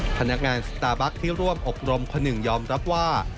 พนักงานสตาร์บัคที่ร่วมอบรมคนหนึ่งยอมรับว่า